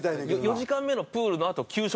４時間目のプールのあと給食